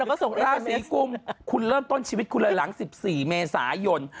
ราศีกุมคุณเริ่มต้นชีวิตคุณเลยหลัง๑๔เมษายน